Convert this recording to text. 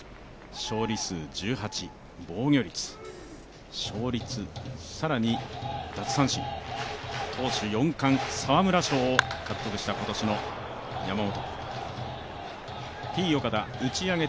勝利数１８、防御率、勝率、更に奪三振、投手４冠、沢村賞を獲得した今年の山本。